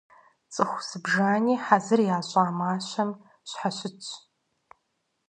Цӏыху зыбжани хьэзыр ящӏа мащэм щхьэщытщ.